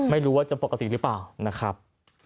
ไม่รู้ว่าจะปกติหรือเปล่านะครับ